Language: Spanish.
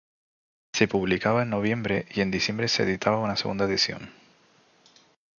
Se publicaba en noviembre y en diciembre se editaba una segunda edición.